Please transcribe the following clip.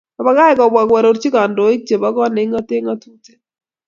Obakach kobwa koarorji kondoik chebo kot nekingatee ngatutik